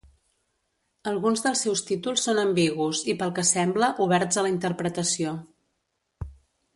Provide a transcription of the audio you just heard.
Alguns dels seus títols són ambigus i pel que sembla oberts a la interpretació.